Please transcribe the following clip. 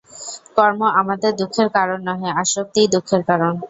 কর্ম আমাদের দুঃখের কারণ নহে, আসক্তিই দুঃখের কারণ।